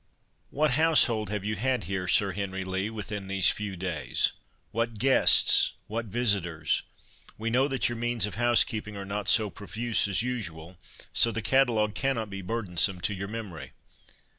"What household have you had here, Sir Henry Lee, within these few days—what guests—what visitors? We know that your means of house keeping are not so profuse as usual, so the catalogue cannot be burdensome to your memory."